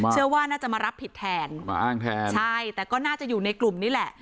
เชื่อว่าน่าจะมารับผิดแทนมาอ้างแทนใช่แต่ก็น่าจะอยู่ในกลุ่มนี้แหละ